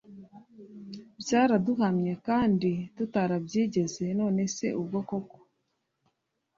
byaraduhamye kandi tutarabyigeze none se ubwo koko